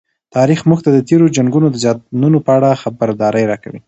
تاریخ موږ ته د تېرو جنګونو د زیانونو په اړه خبرداری راکوي.